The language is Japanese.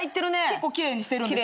結構奇麗にしてるんです。